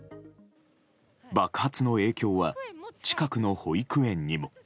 爆発の影響は近くの保育園にも。